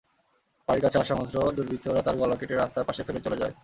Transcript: বাড়ির কাছে আসামাত্র দুর্বৃত্তরা তাঁর গলা কেটে রাস্তার পাশে ফেলে চলে যায়।